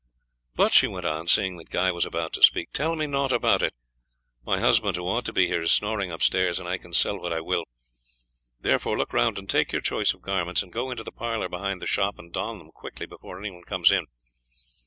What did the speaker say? But," she went on, seeing that Guy was about to speak, "tell me naught about it. My husband, who ought to be here, is snoring upstairs, and I can sell what I will; therefore, look round and take your choice of garments, and go into the parlour behind the shop and don them quickly before anyone comes in.